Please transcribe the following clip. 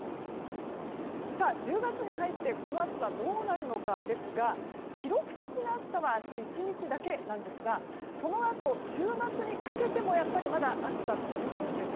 １０月に入ってこの暑さどうなるのかですが記録的な暑さは明日１日だけですがそのあと、週末にかけてもやっぱりまだ暑さが続くんです。